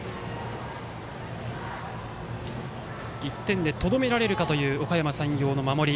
１点でとどめられるかというおかやま山陽の守り。